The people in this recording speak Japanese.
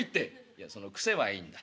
「いやその癖はいいんだ。